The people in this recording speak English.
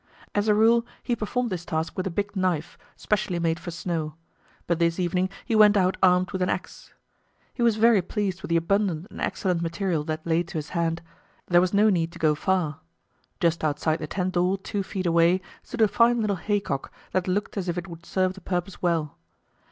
As a rule he performed this task with a big knife, specially made for snow; but this evening he went out armed with an axe. He was very pleased with the abundant and excellent material that lay to his hand; there was no need to go far. Just outside the tent door, two feet away, stood a fine little haycock, that looked as if it would serve the purpose well.